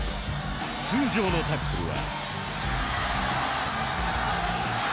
通常のタックルは